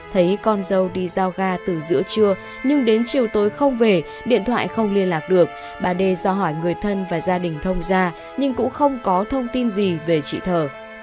thấy con dâu đi giao ga từ giữa trưa nhưng đến chiều tối không về điện thoại không liên lạc được bà đê do hỏi người thân và gia đình thông ra nhưng cũng không có thông tin gì về chị thở